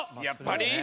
やっぱり？